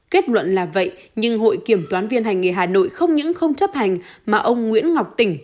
kết luận là vậy nhưng hội kiểm toán viên hành nghề hà nội không những không chấp hành mà ông nguyễn ngọc tỉnh